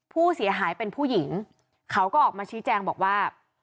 ผู้เสียหายเป็นผู้หญิงเขาก็ออกมาชี้แจงบอกว่า